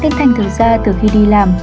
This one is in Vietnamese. nên thành thực ra từ khi đi làm